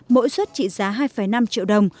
mỗi suất trị giá hai năm triệu đồng